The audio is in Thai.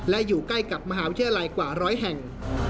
และอยู่ใกล้กับมหาวิทยาลัยกว่าร้อยแห่ง